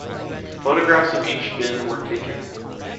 Photographs of each been were taken,